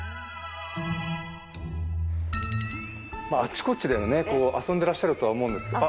あちこちで遊んでらっしゃるとは思うんですけど。